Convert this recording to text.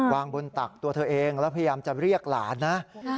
วางบนตักตัวเธอเองแล้วพยายามจะเรียกหลานนะ